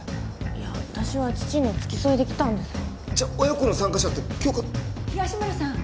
いや私は父の付き添いで来たんですじゃあ親子の参加者って杏花東村さん